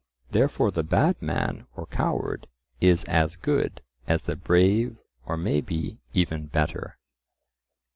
Therefore the bad man or coward is as good as the brave or may be even better.